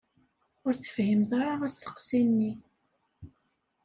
Ur tefhimeḍ ara asteqsi-nni.